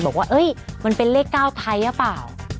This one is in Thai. บอกว่ามันเป็นเลข๙ไทยหรือเปล่า